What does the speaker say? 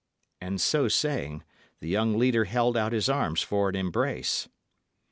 And so saying, the young leader held out his arms for an embrace.